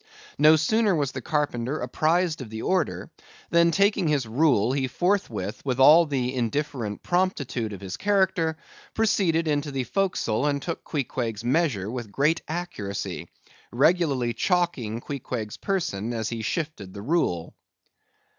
No sooner was the carpenter apprised of the order, than taking his rule, he forthwith with all the indifferent promptitude of his character, proceeded into the forecastle and took Queequeg's measure with great accuracy, regularly chalking Queequeg's person as he shifted the rule.